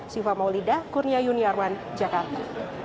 siva maulida kurnia yuniarwan jakarta